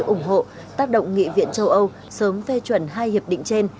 ủng hộ tác động nghị viện châu âu sớm phê chuẩn hai hiệp định trên